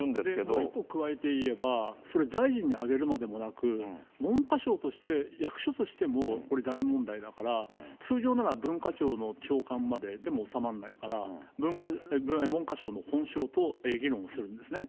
もう一個加えていえば、それ、大臣に上げるまでもなく、文科省として、役所としても、これ、大問題だから、通常なら、文化庁の長官まででも収まらないから、文科省の本省と議論するんですね。